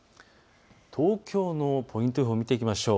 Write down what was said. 東京のポイント予報を見ていきましょう。